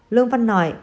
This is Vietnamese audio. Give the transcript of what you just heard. lương văn nội